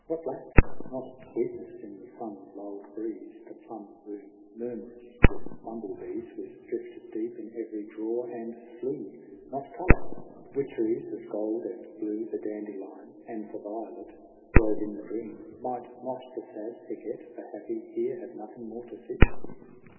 What lacked ? Not sweetness in the sun lulled breeze ; The plum bloom murmurous with bumblebees Was drifted deep in every draw and slough. Not color ; witcheries of gold and blue The dandelion and the violet Wove in the green. Might not the sad forget, The happy here have nothing more to seek